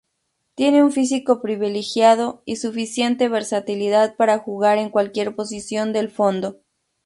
Tiene un físico privilegiado y suficiente versatilidad para jugar en cualquier posición del fondo.